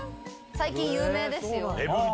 最近有名ですよ。